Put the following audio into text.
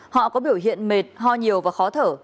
họ có biểu hiện mệt ho nhiều và khó thở